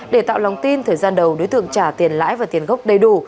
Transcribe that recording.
để tạo lòng tin thời gian đầu đối tượng trả tiền lãi và tiền gốc đầy đủ